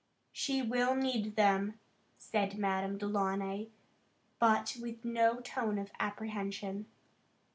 "She will need them," said Madame Delaunay, but with no tone of apprehension.